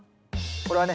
これはね